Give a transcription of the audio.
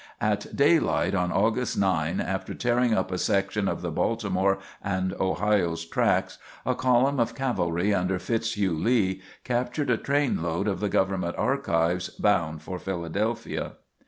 At daylight on August 9, after tearing up a section of the Baltimore and Ohio's tracks, a column of cavalry under Fitzhugh Lee captured a train load of the government archives, bound for Philadelphia."